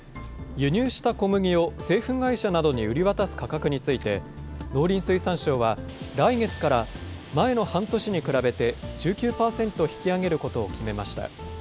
輸入した小麦を製粉会社などに売り渡す価格について、農林水産省は、来月から前の半年に比べて１９％引き上げることを決めました。